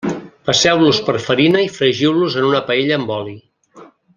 Passeu-los per farina i fregiu-los en una paella amb oli.